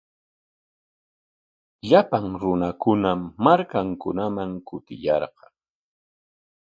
Llapan runakunam markankunaman kutiyarqan.